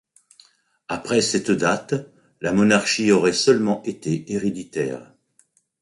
Après cette date, la monarchie aurait seulement été héréditaire.